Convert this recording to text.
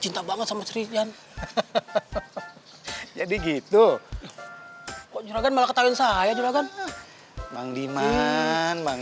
cinta banget sama srijan jadi gitu kok juragan malah ketalin saya juga kan bang diman bang